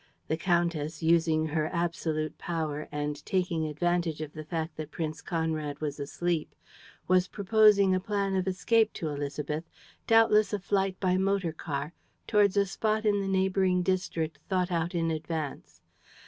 The countess, using her absolute power and taking advantage of the fact that Prince Conrad was asleep, was proposing a plan of escape to Élisabeth, doubtless a flight by motor car, towards a spot in the neighboring district thought out in advance.